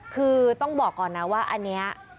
คือต้องบอกก่อนนะว่าอันนี้